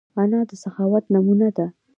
انا د سخاوت نمونه ده